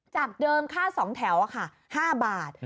จากเดิมค่า๒แถว๕บาท